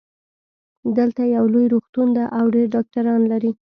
دلته یو لوی روغتون ده او ډېر ډاکټران لری